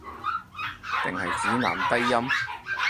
定係指男低音